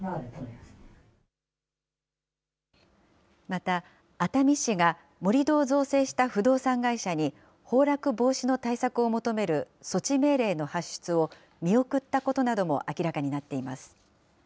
また、熱海市が盛り土を造成した不動産会社に、崩落防止の対策を求める措置命令の発出を見送ったことなども明らかになっています。